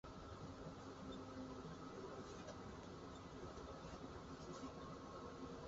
Debieron emprender una lucha contra los Nazgûl para huir de allí.